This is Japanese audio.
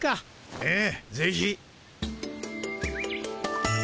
ええぜひ。